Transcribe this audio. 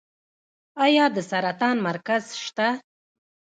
آیا د سرطان مرکز شته؟